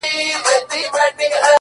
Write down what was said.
چي ته بېلېږې له خپل كوره څخه”